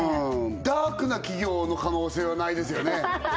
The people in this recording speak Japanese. ダークな企業の可能性はないですよね？